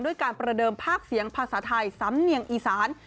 การประเดิมภาคเสียงภาษาไทยสำเนียงอีสาน